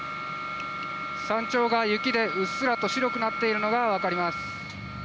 山頂が雪で、うっすらと白くなっているのが分かります。